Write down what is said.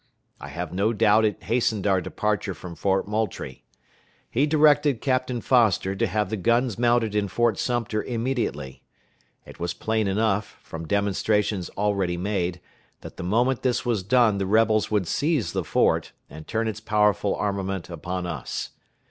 I have no doubt it hastened our departure from Fort Moultrie. He directed Captain Foster to have the guns mounted in Fort Sumter immediately. It was plain enough, from demonstrations already made, that the moment this was done the rebels would seize the fort, and turn its powerful armament upon us.